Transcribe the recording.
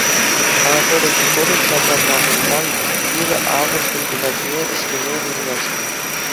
Анатолий Григорьев ҫартан таврӑнсан пир-авӑр комбинатне ӗҫлеме вырнаҫнӑ.